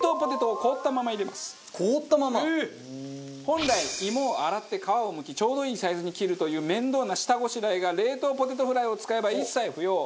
本来芋を洗って皮をむきちょうどいいサイズに切るという面倒な下ごしらえが冷凍ポテトフライを使えば一切不要。